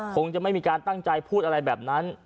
คงจะไม่มีการตั้งใจพูดอะไรแบบนั้น